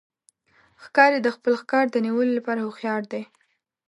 ښکاري د خپل ښکار د نیولو لپاره هوښیار دی.